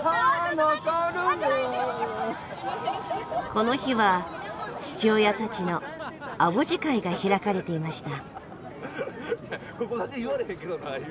この日は父親たちの「アボジ会」が開かれていました。